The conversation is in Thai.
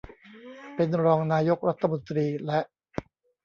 เป็นรองนายกรัฐมนตรีและ